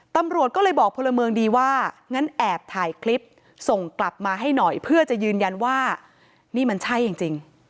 ตำรวจก็เลยบอกพลเมืองดีว่างั้นแอบถ่ายคลิปส่งกลับมาให้หน่อยเพื่อจะยืนยันว่านี่มันใช่จริง